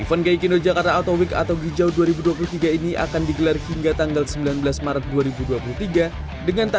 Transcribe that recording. event gai kino jakarta auto week atau hijau dua ribu dua puluh tiga ini akan digelar hingga tanggal sembilan belas maret dua ribu dua puluh tiga